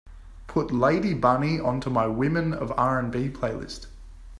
Put lady bunny onto my Women of R&B playlist.